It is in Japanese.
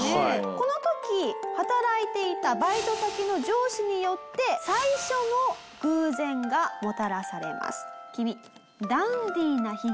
この時働いていたバイト先の上司によって最初の偶然がもたらされます。